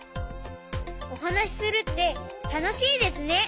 おはなしするってたのしいですね！